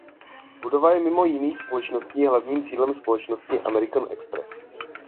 Budova je mimo jiných společností hlavním sídlem společnosti American Express.